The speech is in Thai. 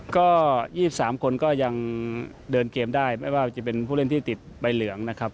ก็๒๓คนก็ยังเดินเกมได้ไม่ว่าจะเป็นผู้เล่นที่ติดใบเหลืองนะครับ